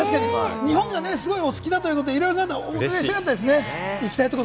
日本がお好きだということで、いろいろ伺いたかったですね。